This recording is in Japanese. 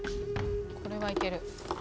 これはいける。